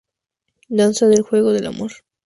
Danza Del Juego Del Amor.